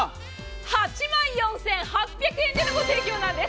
８万４８００円でのご提供なんです。